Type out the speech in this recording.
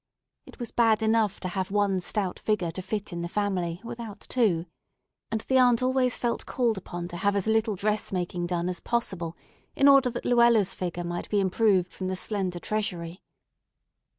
It was bad enough to have one stout figure to fit in the family without two; and the aunt always felt called upon to have as little dressmaking done as possible, in order that Luella's figure might be improved from the slender treasury.